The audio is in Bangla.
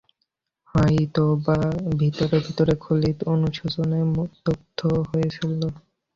হয়তোবা ভিতরে ভিতরে খালিদ অনুশোচনায় দগ্ধও হচ্ছিলেন।